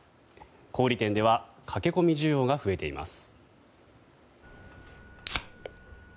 小売店では駆け込み需要が増えています。